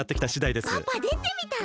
パパでてみたら？